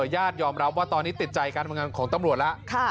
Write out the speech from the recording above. ญาติยอมรับว่าตอนนี้ติดใจการทำงานของตำรวจแล้ว